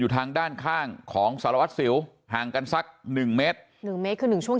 อยู่ทางด้านข้างของสรวจสิวห่างกันสัก๑เมตร๑เมตรคือ๑ช่วง